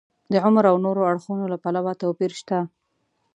د عمر او نورو اړخونو له پلوه توپیر شته.